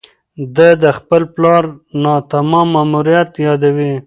ده د خپل پلار ناتمام ماموریت یادوي.